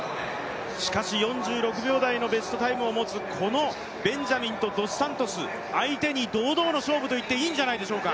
しかし、４６秒台のベストタイムを持つこのベンジャミンとドスサントス相手に相手に堂々の勝負と言っていいんじゃないでしょうか。